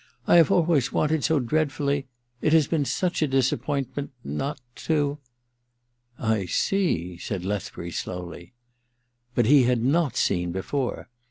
^ I have always wanted so dreadfully ... it has been such a disappointment ... not to ...'* I see,* said Lethbury slowly. But he had not seen before.